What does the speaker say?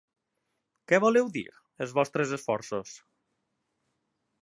Què voleu dir, els vostres esforços?